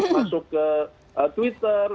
masuk ke twitter